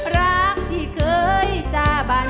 รักที่เคยจ้าบัน